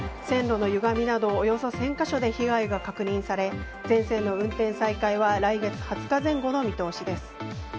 線路のゆがみなどおよそ１０００か所で被害が確認され全線の運転再開は来月２０日前後の見通しです。